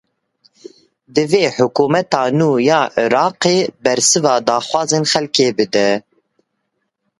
Divê hikûmeta nû ya Iraqê bersiva daxwazên xelkê bide.